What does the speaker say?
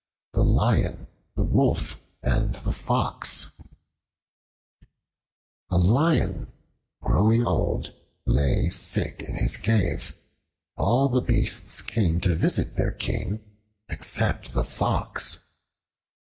The Lion, the Wolf, and the Fox A LION, growing old, lay sick in his cave. All the beasts came to visit their king, except the Fox.